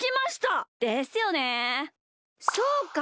そうか！